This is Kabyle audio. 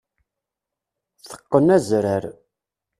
Teqqen azrar.